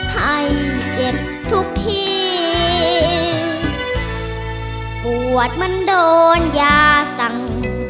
ให้เจ็บทุกทีปวดมันโดนยาสั่ง